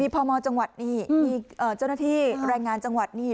พมจังหวัดนี่มีเจ้าหน้าที่แรงงานจังหวัดนี่